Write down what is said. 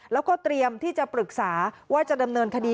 แล้วก็เตรียมที่จะปรึกษาว่าจะดำเนินคดี